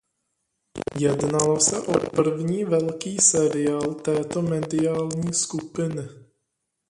Jednalo se o první velký seriál této mediální skupiny.